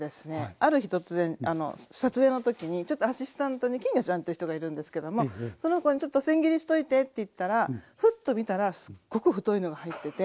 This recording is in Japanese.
ある日突然撮影の時にちょっとアシスタントにきんぎょちゃんという人がいるんですけどもその子に「ちょっとせん切りしといて」って言ったらふっと見たらすっごく太いのが入ってて。